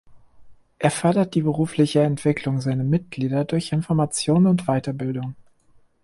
Er fördert die berufliche Entwicklung seiner Mitglieder durch Information und Weiterbildung.